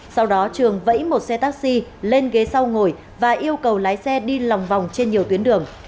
sau đó trường vẫy một xe taxi lên ghế sau ngồi và yêu cầu lái xe đi lòng vòng trên nhiều tuyến đường